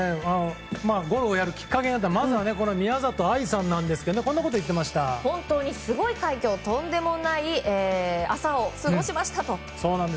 ゴルフをやるきっかけとなった宮里藍さんなんですけどすごい快挙とんでもない朝を過ごしましたと。